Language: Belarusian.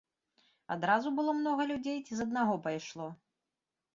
Адразу было многа людзей ці з аднаго пайшло?